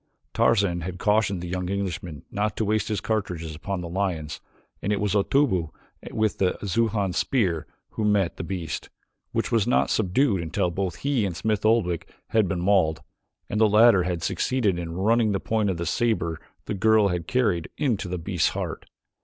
Tarzan had cautioned the young Englishman not to waste his cartridges upon the lions and it was Otobu with the Xujan spear who met the beast, which was not subdued until both he and Smith Oldwick had been mauled, and the latter had succeeded in running the point of the saber the girl had carried, into the beast's heart.